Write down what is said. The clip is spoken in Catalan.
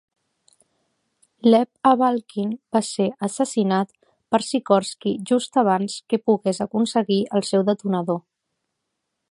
Lev Abalkin va ser assassinat per Sikorski just abans que pogués aconseguir el seu "detonador".